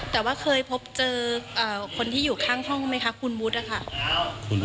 แต่ว่าเคยพบเจอคนที่อยู่ข้างห้องไหมคะคุณวุฒินะคะ